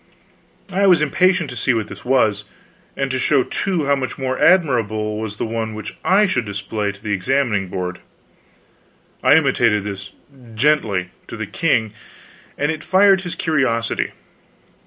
I was impatient to see what this was; and to show, too, how much more admirable was the one which I should display to the Examining Board. I intimated this, gently, to the king, and it fired his curiosity.